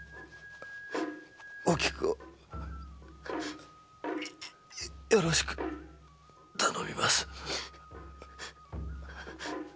おきくをよろしく頼みます！